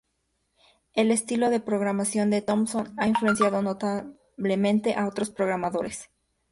El estilo de programación de Thompson ha influenciado notablemente a otros programadores.